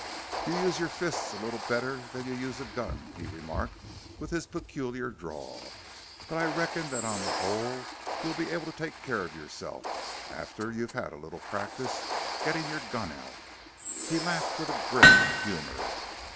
"You use your fists a little better than you use a gun," he remarked with his peculiar drawl, "but I reckon that on the whole you'll be able to take care of yourself after you've had a little practise gettin' your gun out." He laughed with a grim humor.